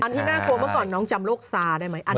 ที่น่ากลัวเมื่อก่อนน้องจำโลกซาได้ไหม